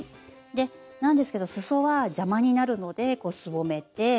でなんですけどすそは邪魔になるのですぼめて。